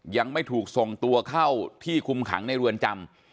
ยังไม่ถูกส่งตัวเข้าที่คุมขังในเรือนจำ